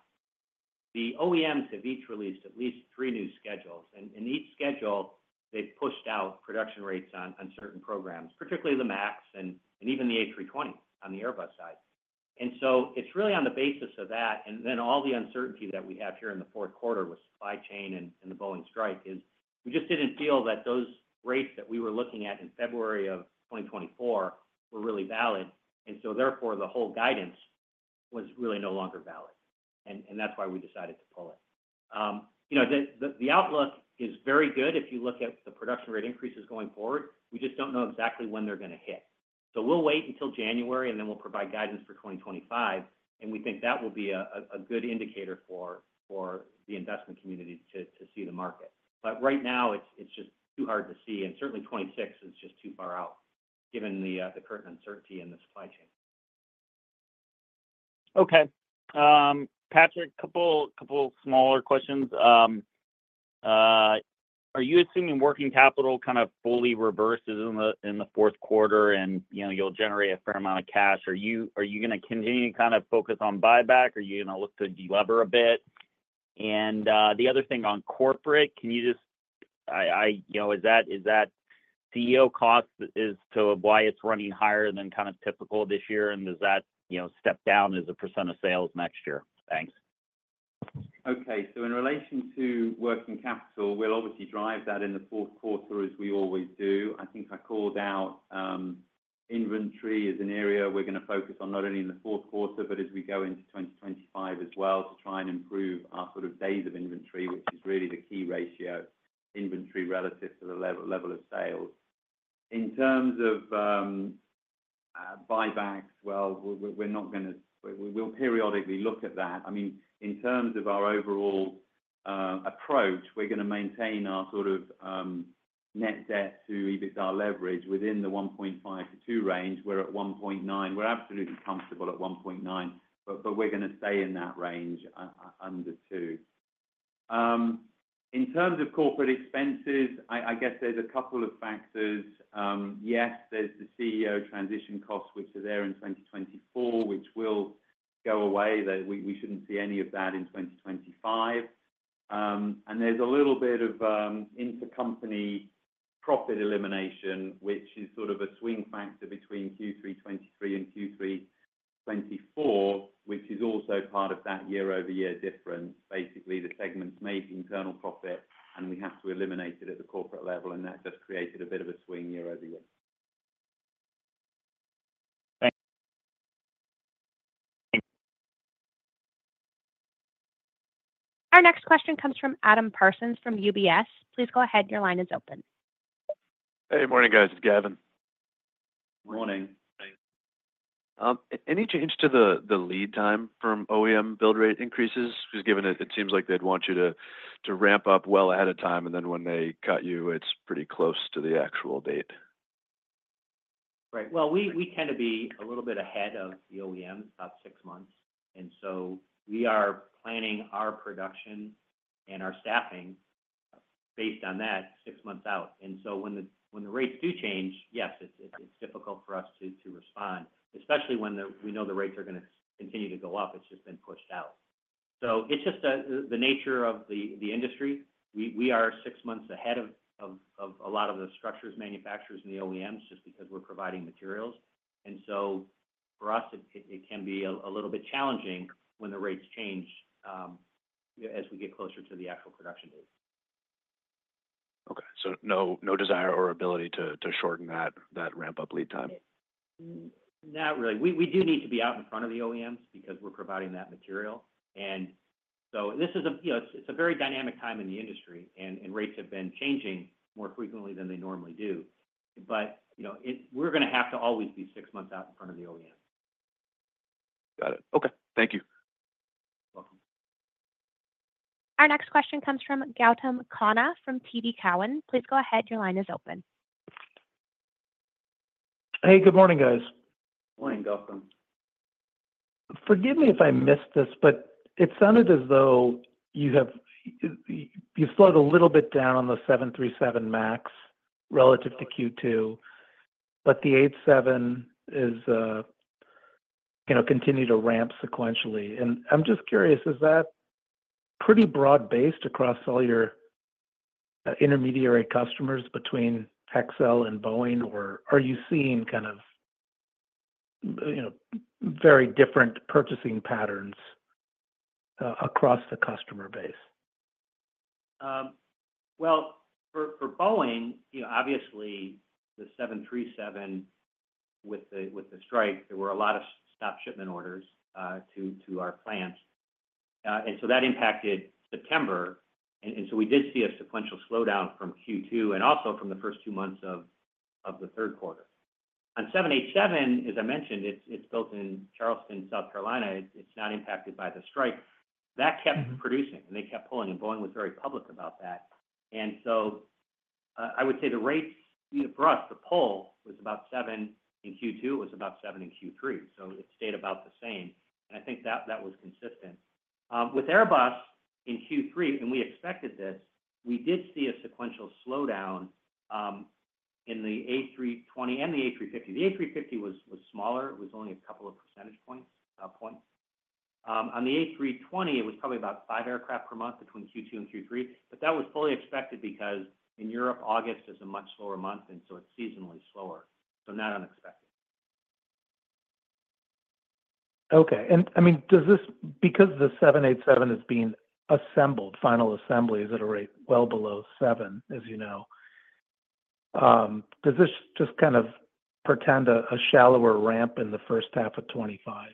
the OEMs have each released at least three new schedules, and in each schedule, they've pushed out production rates on certain programs, particularly the MAX and even the A320 on the Airbus side. And so it's really on the basis of that, and then all the uncertainty that we have here in the fourth quarter with supply chain and the Boeing strike. We just didn't feel that those rates that we were looking at in February of 2024 were really valid. And so therefore, the whole guidance was really no longer valid, and that's why we decided to pull it. You know, the outlook is very good if you look at the production rate increases going forward. We just don't know exactly when they're gonna hit. So we'll wait until January, and then we'll provide guidance for 2025, and we think that will be a good indicator for the investment community to see the market. But right now, it's just too hard to see, and certainly twenty-six is just too far out, given the current uncertainty in the supply chain. Okay. Patrick, couple smaller questions. Are you assuming working capital kind of fully reverses in the fourth quarter, and you know, you'll generate a fair amount of cash? Are you gonna continue to kind of focus on buyback? Are you gonna look to delever a bit? And the other thing on corporate, can you just, you know, is that CEO costs due to why it's running higher than kind of typical this year? And does that, you know, step down as a % of sales next year? Thanks. Okay. So in relation to working capital, we'll obviously drive that in the fourth quarter, as we always do. I think I called out inventory as an area we're gonna focus on not only in the fourth quarter, but as we go into 2025 as well, to try and improve our sort of days of inventory, which is really the key ratio, inventory relative to the level of sales. In terms of buybacks, well, we're not gonna... We'll periodically look at that. I mean, in terms of our overall approach, we're gonna maintain our sort of net debt to EBITDA leverage within the 1.5-2 range. We're at 1.9. We're absolutely comfortable at 1.9, but we're gonna stay in that range under two. In terms of corporate expenses, I guess there's a couple of factors. Yes, there's the CEO transition costs, which are there in 2024, which will go away. We shouldn't see any of that in 2025, and there's a little bit of intercompany profit elimination, which is sort of a swing factor between Q3 2023 and Q3 2024, which is also part of that year-over-year difference. Basically, the segments made internal profit, and we have to eliminate it at the corporate level, and that just created a bit of a swing year over year. Thank you. Our next question comes from Gavin Parsons from UBS. Please go ahead. Your line is open. Hey, morning, guys. It's Gavin. Morning. Morning. Any change to the lead time from OEM build rate increases? Because given it, it seems like they'd want you to ramp up well ahead of time, and then when they cut you, it's pretty close to the actual date. Right. Well, we tend to be a little bit ahead of the OEM, about six months, and so we are planning our production and our staffing based on that, six months out. And so when the rates do change, yes, it's difficult for us to respond, especially when we know the rates are gonna continue to go up. It's just been pushed out. So it's just the nature of the industry. We are six months ahead of a lot of the structures manufacturers and the OEMs, just because we're providing materials. And so for us, it can be a little bit challenging when the rates change as we get closer to the actual production date. Okay. So no desire or ability to shorten that ramp-up lead time? Not really. We do need to be out in front of the OEMs because we're providing that material. And so this is a, you know, it's a very dynamic time in the industry, and rates have been changing more frequently than they normally do. But, you know, we're gonna have to always be six months out in front of the OEMs. Got it. Okay. Thank you. Welcome. Our next question comes from Gautam Khanna from TD Cowen. Please go ahead. Your line is open. Hey, good morning, guys. Morning, Gautam. Forgive me if I missed this, but it sounded as though you have you slowed a little bit down on the 737 MAX relative to Q2, but the 787 is, you know, continue to ramp sequentially. And I'm just curious, is that pretty broad-based across all your intermediary customers between Hexcel and Boeing? Or are you seeing kind of, you know, very different purchasing patterns, across the customer base? Well, for Boeing, you know, obviously, the 737 with the strike, there were a lot of stop shipment orders to our plants. And so that impacted September. And so we did see a sequential slowdown from Q2 and also from the first two months of the third quarter. On 787, as I mentioned, it's built in Charleston, South Carolina. It's not impacted by the strike. That kept producing, and they kept pulling, and Boeing was very public about that. And so I would say the rates for us to pull was about seven in Q2, was about seven in Q3, so it stayed about the same. And I think that was consistent with Airbus in Q3, and we expected this, we did see a sequential slowdown in the A320 and the A350. The A350 was smaller. It was only a couple of percentage points. On the A320, it was probably about five aircraft per month between Q2 and Q3, but that was fully expected because in Europe, August is a much slower month, and so it's seasonally slower, so not unexpected. Okay. And I mean, does this, because the 787 is being assembled, final assemblies at a rate well below seven, as you know, does this just kind of portend a shallower ramp in the first half of 2025?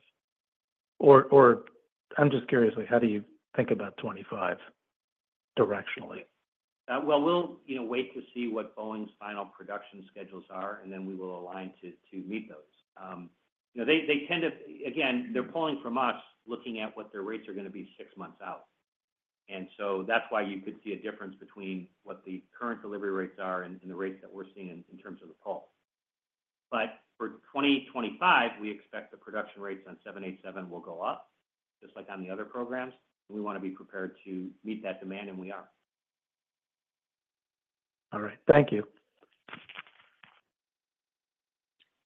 Or, I'm just curious, like, how do you think about 2025 directionally? Well, we'll, you know, wait to see what Boeing's final production schedules are, and then we will align to meet those. You know, they tend to... Again, they're pulling from us, looking at what their rates are gonna be six months out. And so that's why you could see a difference between what the current delivery rates are and the rates that we're seeing in terms of the pull. But for 2025, we expect the production rates on 787 will go up, just like on the other programs. We wanna be prepared to meet that demand, and we are. All right. Thank you.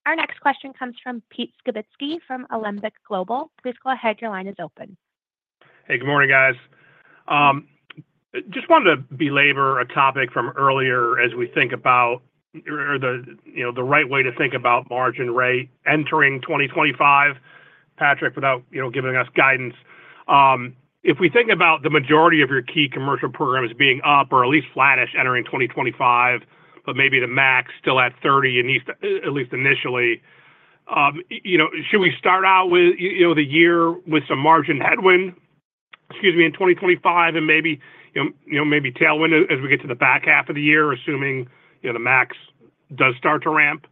Our next question comes from Peter Skibitski from Alembic Global. Please go ahead. Your line is open. Hey, good morning, guys. Just wanted to belabor a topic from earlier as we think about, you know, the right way to think about margin rate entering 2025. Patrick, without, you know, giving us guidance, if we think about the majority of your key commercial programs being up or at least flattish, entering 2025, but maybe the MAX still at 30, at least initially, you know, should we start out with, you know, the year with some margin headwind, excuse me, in 2025 and maybe, you know, maybe tailwind as we get to the back half of the year, assuming, you know, the MAX does start to ramp?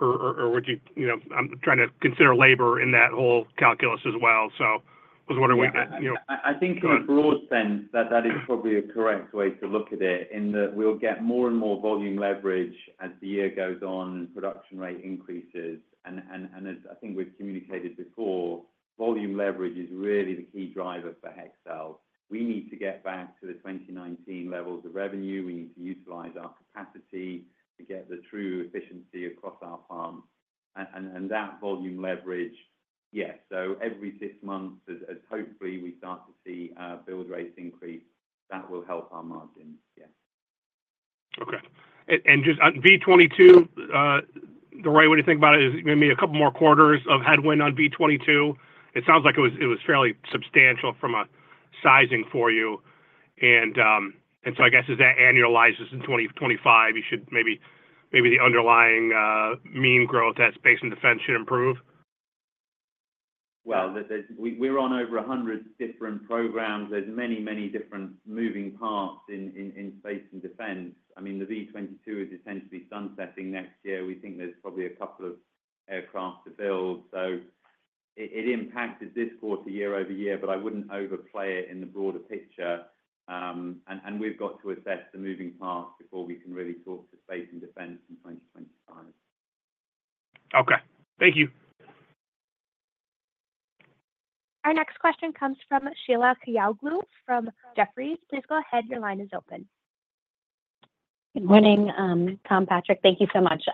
Or would you... You know, I'm trying to consider labor in that whole calculus as well. So I was wondering what, you know- I think- Go ahead... in a broad sense, that is probably a correct way to look at it, in that we'll get more and more volume leverage as the year goes on and production rate increases. And as I think we've communicated before, volume leverage is really the key driver for Hexcel. We need to get back to the 2019 levels of revenue. We need to utilize our capacity to get the true efficiency across our plants and that volume leverage. Yes, so every six months, as hopefully we start to see our build rates increase, that will help our margins. Yes. Okay. And just on V-22, the way you think about it is maybe a couple more quarters of headwind on V-22. It sounds like it was fairly substantial from a sizing for you, and so I guess as that annualizes in 2025, you should maybe the underlying main growth at Space and Defense should improve? There's, we're on over a hundred different programs. There's many different moving parts in Space and Defense. I mean, the V-22 is essentially sunsetting next year. We think there's probably a couple of aircraft to build, so it impacted this quarter, year-over-year, but I wouldn't overplay it in the broader picture. And we've got to assess the moving parts before we can really talk to Space and Defense in 2025. Okay. Thank you. Our next question comes from Sheila Kahyaoglu from Jefferies. Please go ahead, your line is open. Good morning, Tom, Patrick. Thank you so much.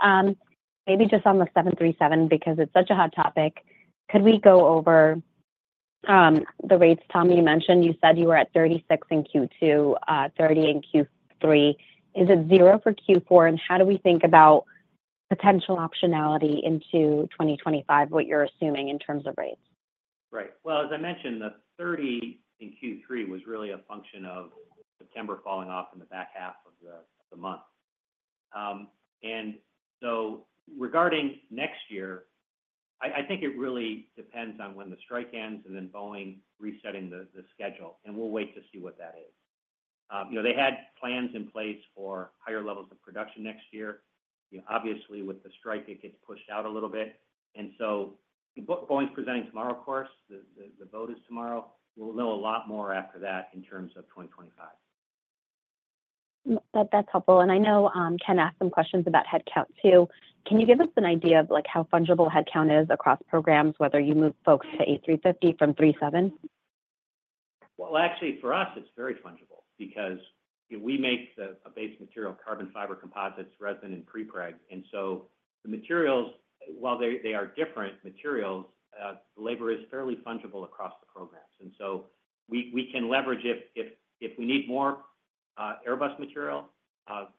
Maybe just on the 737, because it's such a hot topic, could we go over the rates? Tom, you mentioned you said you were at thirty-six in Q2, thirty in Q3. Is it zero for Q4, and how do we think about potential optionality into 2025, what you're assuming in terms of rates? Right. Well, as I mentioned, the 30 in Q3 was really a function of September falling off in the back half of the month. And so regarding next year, I think it really depends on when the strike ends and then Boeing resetting the schedule, and we'll wait to see what that is. You know, they had plans in place for higher levels of production next year. You know, obviously, with the strike, it gets pushed out a little bit. And so Boeing's presenting tomorrow, of course, the vote is tomorrow. We'll know a lot more after that in terms of 2025. That, that's helpful. And I know, Ken asked some questions about headcount, too. Can you give us an idea of, like, how fungible headcount is across programs, whether you move folks to A350 from 737? Actually, for us, it's very fungible because we make a base material, carbon fiber composites, resin, and prepreg. And so the materials, while they are different materials, labor is fairly fungible across the programs. And so we can leverage if we need more Airbus material,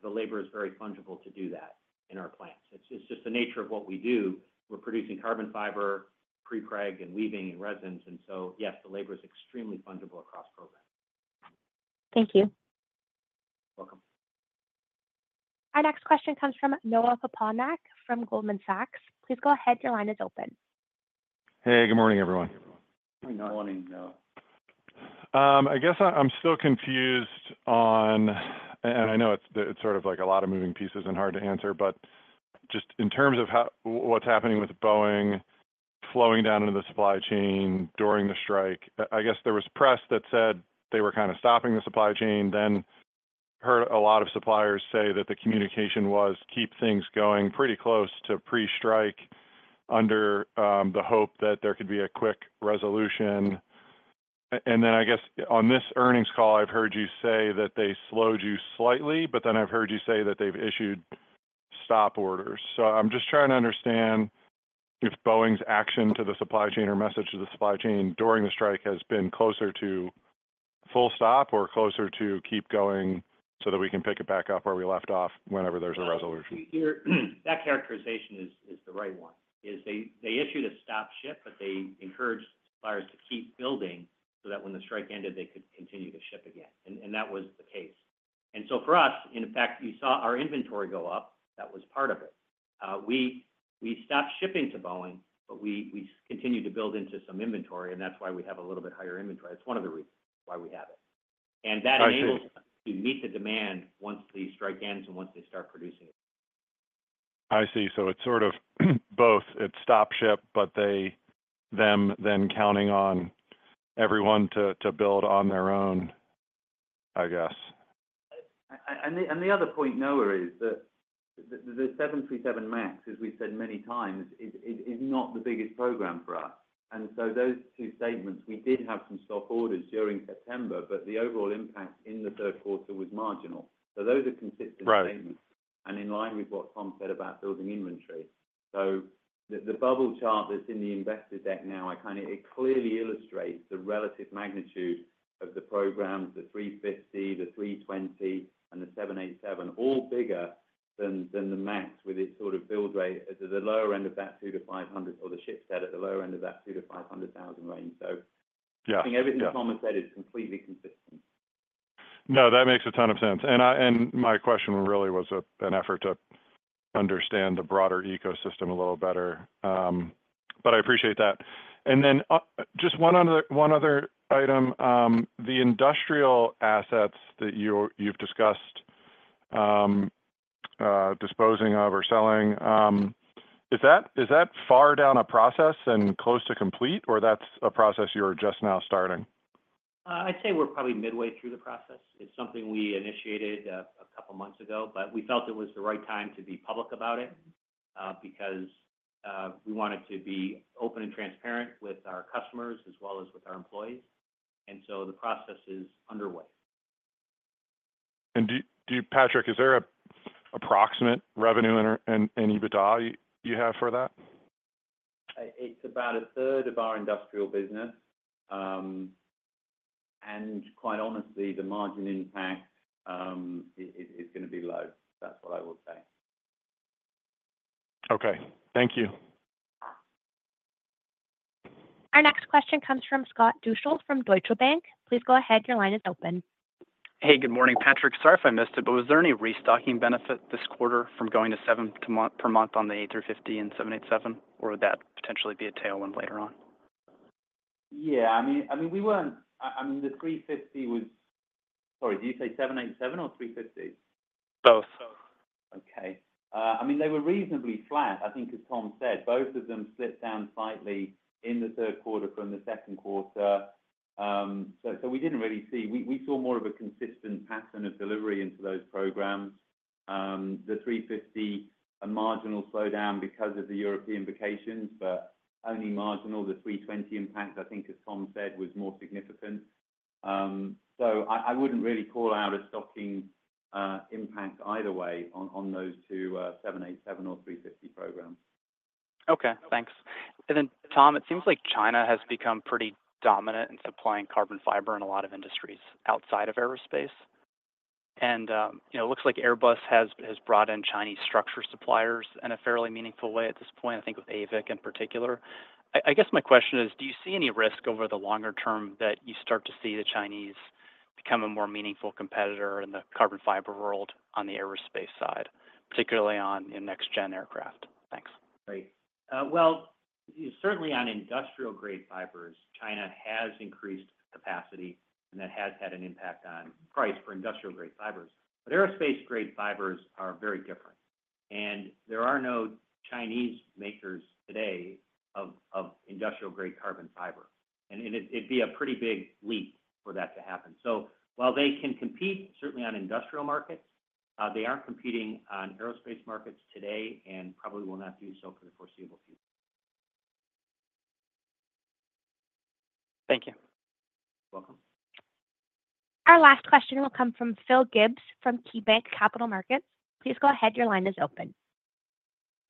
the labor is very fungible to do that in our plants. It's just the nature of what we do. We're producing carbon fiber, prepreg, and weaving, and resins, and so, yes, the labor is extremely fungible across programs. Thank you. Welcome. Our next question comes from Noah Poponak from Goldman Sachs. Please go ahead, your line is open. Hey, good morning, everyone. Good morning, Noah. I guess I'm still confused on and I know it's sort of like a lot of moving pieces and hard to answer, but just in terms of how what's happening with Boeing flowing down into the supply chain during the strike. I guess there was press that said they were kind of stopping the supply chain. Then heard a lot of suppliers say that the communication was keep things going pretty close to pre-strike under the hope that there could be a quick resolution. And then I guess on this earnings call, I've heard you say that they slowed you slightly, but then I've heard you say that they've issued stop orders. I'm just trying to understand if Boeing's action to the supply chain or message to the supply chain during the strike has been closer to full stop or closer to keep going so that we can pick it back up where we left off whenever there's a resolution. Yeah, that characterization is the right one. They issued a stop ship, but they encouraged suppliers to keep building so that when the strike ended, they could continue to ship again, and that was the case. And so for us, in fact, you saw our inventory go up. That was part of it. We stopped shipping to Boeing, but we continued to build into some inventory, and that's why we have a little bit higher inventory. It's one of the reasons why we have it. I see. That enables us to meet the demand once the strike ends and once they start producing it. I see. So it's sort of both. It's stop ship, but they, them then counting on everyone to build on their own, I guess. And the other point, Noah, is that the 737 MAX, as we've said many times, is not the biggest program for us. And so those two statements, we did have some stop orders during September, but the overall impact in the third quarter was marginal. So those are consistent. Right Statements and in line with what Tom said about building inventory. So the bubble chart that's in the investor deck now, I kind of it clearly illustrates the relative magnitude of the programs, the 350, the 320, and the 787, all bigger than the MAX, with its sort of build rate at the lower end of that 200-500, or the shipset at the lower end of that 200-500 thousand range. So Yeah I think everything Tom has said is completely consistent. No, that makes a ton of sense. And my question really was an effort to understand the broader ecosystem a little better, but I appreciate that. And then, just one other item, the industrial assets that you've discussed disposing of or selling, is that far down a process and close to complete, or that's a process you're just now starting? I'd say we're probably midway through the process. It's something we initiated a couple of months ago, but we felt it was the right time to be public about it because we wanted to be open and transparent with our customers as well as with our employees, and so the process is underway. Do you, Patrick? Is there an approximate revenue and EBITDA you have for that? It's about a third of our industrial business, and quite honestly, the margin impact is gonna be low. That's what I would say. Okay. Thank you. Our next question comes from Scott Deuschle from Deutsche Bank. Please go ahead, your line is open. Hey, good morning, Patrick. Sorry if I missed it, but was there any restocking benefit this quarter from going to seven per month on the A350 and 787, or would that potentially be a tailwind later on? Yeah, I mean, we weren't. I mean, the 350 was... Sorry, did you say 787 or 350? Both. Okay. I mean, they were reasonably flat. I think as Tom said, both of them slipped down slightly in the third quarter from the second quarter. So we didn't really see. We saw more of a consistent pattern of delivery into those programs. The 350, a marginal slowdown because of the European vacations, but only marginal. The 320 impact, I think, as Tom said, was more significant. So I wouldn't really call out a destocking impact either way on those two, 787 or 350 programs. Okay, thanks. And then, Tom, it seems like China has become pretty dominant in supplying carbon fiber in a lot of industries outside of aerospace. And, you know, it looks like Airbus has brought in Chinese structure suppliers in a fairly meaningful way at this point, I think with AVIC in particular. I guess my question is, do you see any risk over the longer term that you start to see the Chinese become a more meaningful competitor in the carbon fiber world on the aerospace side, particularly on next-gen aircraft? Thanks. Great. Well, certainly on industrial-grade fibers, China has increased capacity, and that has had an impact on price for industrial-grade fibers. But aerospace-grade fibers are very different, and there are no Chinese makers today of industrial-grade carbon fiber, and it'd be a pretty big leap for that to happen. So while they can compete, certainly on industrial markets, they aren't competing on aerospace markets today and probably will not do so for the foreseeable future. Thank you. Welcome. Our last question will come from Phil Gibbs, from KeyBanc Capital Markets. Please go ahead. Your line is open.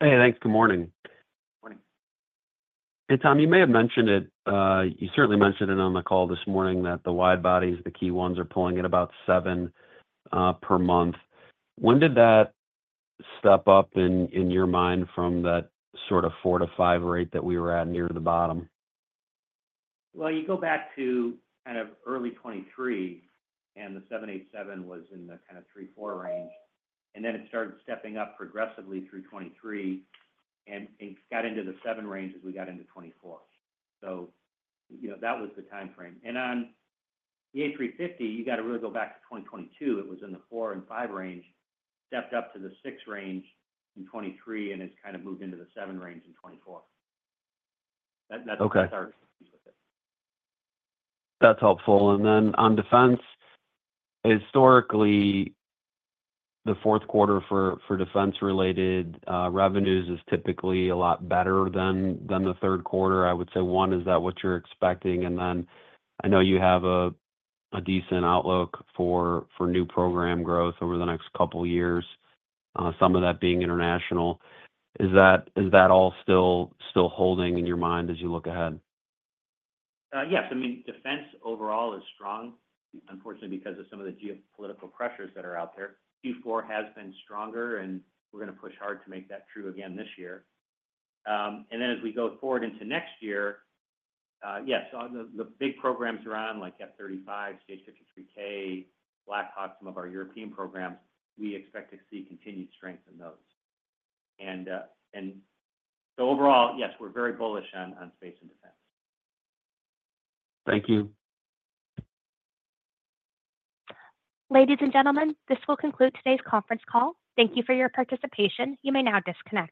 Hey, thanks. Good morning. Morning. Hey, Tom, you may have mentioned it, you certainly mentioned it on the call this morning that the widebodies, the key ones, are pulling at about seven per month. When did that step up in your mind from that sort of four to five rate that we were at near the bottom? You go back to kind of early 2023, and the 787 was in the kind of 3-4 range, and then it started stepping up progressively through 2023, and it got into the 7 range as we got into 2024. So, you know, that was the time frame. On the A350, you got to really go back to 2022. It was in the 4-5 range, stepped up to the 6 range in 2023, and it's kind of moved into the 7 range in 2024. That- Okay. That squares with it. That's helpful. And then on defense, historically, the fourth quarter for defense-related revenues is typically a lot better than the third quarter. I would say, one, is that what you're expecting? And then I know you have a decent outlook for new program growth over the next couple of years, some of that being international. Is that all still holding in your mind as you look ahead? Yes. I mean, defense overall is strong, unfortunately, because of some of the geopolitical pressures that are out there. Q4 has been stronger, and we're gonna push hard to make that true again this year. And then as we go forward into next year, yes, on the big programs we're on, like F-35, CH-53K, Black Hawk, some of our European programs, we expect to see continued strength in those. And so overall, yes, we're very bullish on space and defense. Thank you. Ladies and gentlemen, this will conclude today's conference call. Thank you for your participation. You may now disconnect.